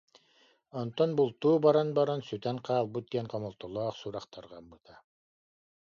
Онтон бултуу баран-баран сүтэн хаалбыт диэн хомолтолоох сурах тарҕаммыта